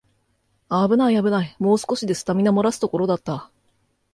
あぶないあぶない、もう少しでスタミナもらすところだった